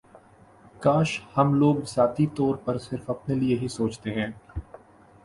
کاش ہم لوگ ذاتی طور پر صرف اپنے لیے ہی سوچتے ہیں